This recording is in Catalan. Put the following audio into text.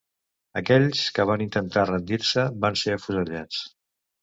Aquells que van intentar rendir-se van ser afusellats.